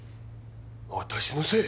私のせい？